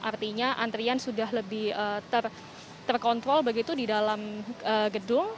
artinya antrian sudah lebih terkontrol begitu di dalam gedung